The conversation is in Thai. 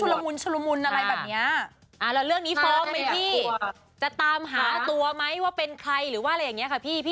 ว่าแบบเฮ้ไปหนังกันหลังจากนี้เราจะโรแวงโียัทธาตุรัพยาวไหม